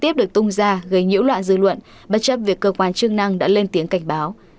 tiếp được tung ra gây nhiễu loạn dư luận bất chấp việc cơ quan chức năng đã lên tiếng cảnh báo